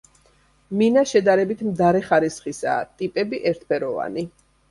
მინა შედარებით მდარე ხარისხისაა, ტიპები ერთფეროვანი.